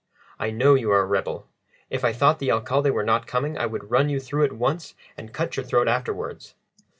"I know you are a rebel. If I thought the Alcalde were not coming I would run you through at once and cut your throat afterwards.